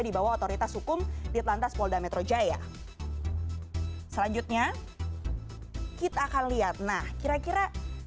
di bawah otoritas hukum di telantas polda metro jaya selanjutnya kita akan lihat nah kira kira